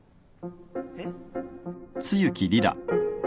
えっ？